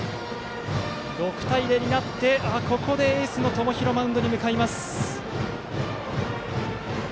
６対０になって北陸、エースの友廣がマウンドに向かいます。